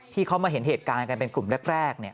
ที่เขามาเห็นเหตุการณ์กันเป็นกลุ่มแรก